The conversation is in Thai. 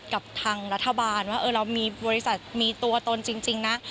กับทางรัฐบาลว่าเรามีบริษัทมีตัวตนจริงนะ